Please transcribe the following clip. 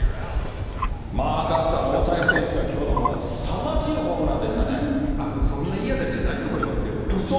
赤星さん、大谷選手のきょうのホームラン、そんないい当たりじゃないとうそ。